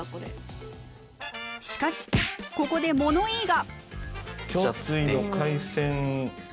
しかしここで物言いが！